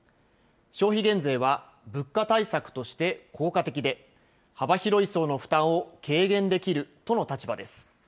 消費減税は物価対策として効果的で、幅広い層の負担を軽減できるとの立場です。